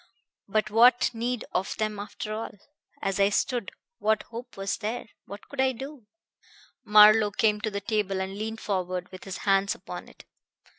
But what need of them, after all? As I stood, what hope was there? What could I do?" Marlowe came to the table and leaned forward with his hands upon it.